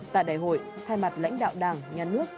tại đại hội thay mặt lãnh đạo đảng nhà nước